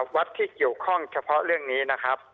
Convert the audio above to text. วัดที่เกี่ยวข้องเฉพาะเรื่องนี้นะครับ